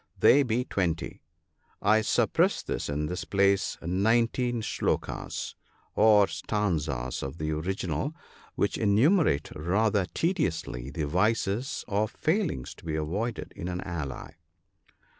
They be twenty. — I suppress in this place nineteen shlokes, or stanzas, of the original, which enumerate rather tediously the vices or failings to be avoided in an ally.